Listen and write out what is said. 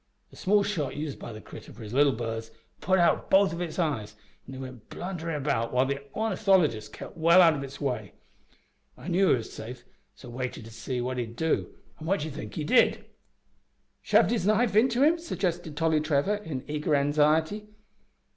The small shot used by the critter for his leetle birds had put out both its eyes, an' it went blunderin' about while the ornithologist kep' well out of its way. I knew he was safe, so waited to see what he'd do, an' what d'ye think he did?" "Shoved his knife into him," suggested Tolly Trevor, in eager anxiety.